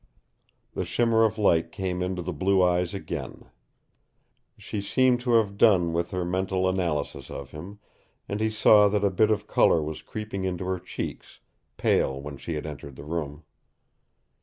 The shimmer of light came into the blue eyes again. She seemed to have done with her mental analysis of him, and he saw that a bit of color was creeping into her cheeks, pale when she had entered the room.